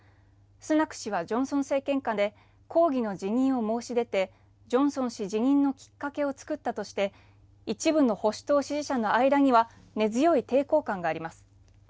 スナク氏は、ジョンソン政権下で抗議の辞任を申し出てジョンソン氏辞任のきっかけを作ったとして一部の保守党支持者の間には根強い抵抗感があります。